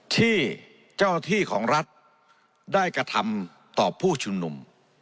ที่เจ้าหน้าที่ของรัฐได้กระทำต่อผู้ชุมนุม